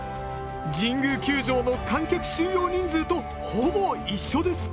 神宮球場の観客収容人数とほぼ一緒です